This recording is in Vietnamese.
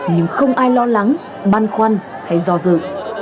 nhưng không ai lo lắng băn khoăn hay do dự